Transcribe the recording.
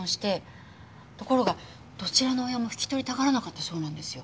ところがどちらの親も引き取りたがらなかったそうなんですよ。